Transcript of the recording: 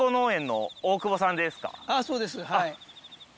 そうですはい。